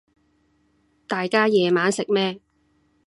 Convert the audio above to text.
大家夜晚食咩